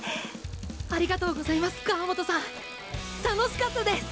ありがとうございます川本さん楽しかったです！